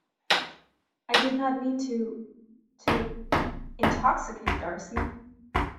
I did not mean to — to — intoxicate Darcy.